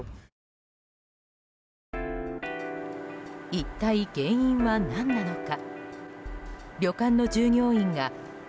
一体、原因は何なのか。